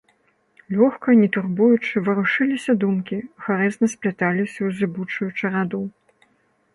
Лёгка, не турбуючы, варушыліся думкі, гарэзна спляталіся ў зыбучую чараду.